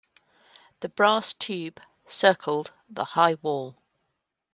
The brass tube circled the high wall.